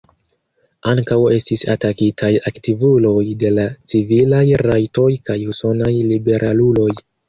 Ankaŭ estis atakitaj aktivuloj de la civilaj rajtoj kaj usonaj liberaluloj.